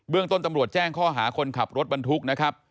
เรื่องต้นตำรวจแจ้งข้อหาคนขับรถบรรทุกนะครับ